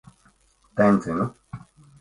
Tencinu.